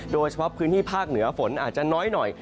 โดยเฉพาะพื้นที่ภาคเหนือฝนอาจจะน้อยหน่อย